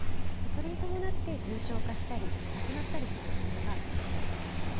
それに伴って、重症化したり、亡くなったりする子どもが増えています。